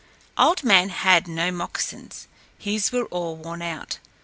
Old Man had no moccasins; his were all worn out.